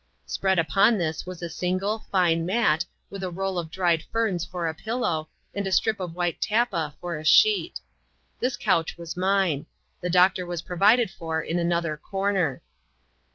Spread upon this was a single, fine mat, with a roll of dried ferns for a pillow, and a strip of white tappa for a sheet. This couch was mine. The doctor was provided for in another comer.